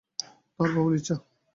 তাহার প্রবল ইচ্ছা!